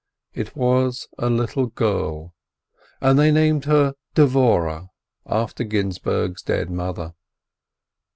It was a little girl, and they named her Dvoreh, after Ginzburg's dead mother.